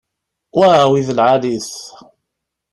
Waw, i d lɛali-t!